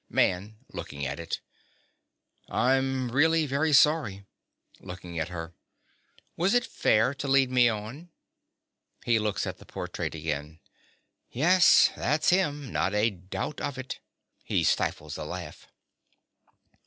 MAN. (looking at it). I'm really very sorry. (Looking at her.) Was it fair to lead me on? (He looks at the portrait again.) Yes: that's him: not a doubt of it. (_He stifles a laugh.